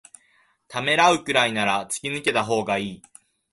ためらうくらいなら突き抜けたほうがいい